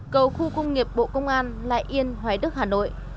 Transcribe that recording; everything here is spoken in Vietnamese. cầu khu công nghiệp bộ công an lại yên hoài đức hà nội